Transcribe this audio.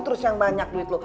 terus yang banyak duit luka